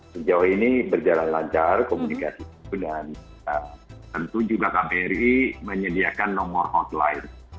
sejauh ini berjalan lancar komunikasi itu dan tentu juga kbri menyediakan nomor hotline